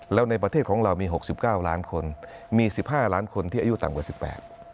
แล้วในประเทศของเรามี๖๙ล้านคนมี๑๕ล้านคนที่อายุต่ำกว่า๑๘